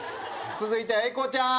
続いて英孝ちゃん。